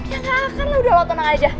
ya nggak akan lo udah lo tenang aja